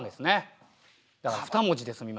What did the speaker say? だから２文字で済みますよ私。